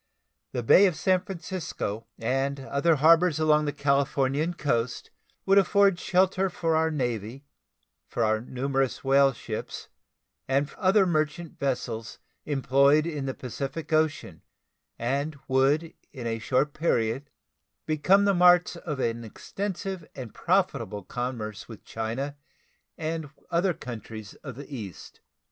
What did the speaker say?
The Bay of San Francisco and other harbors along the Californian coast would afford shelter for our Navy, for our numerous whale ships, and other merchant vessels employed in the Pacific Ocean, and would in a short period become the marts of an extensive and profitable commerce with China and other countries of the East.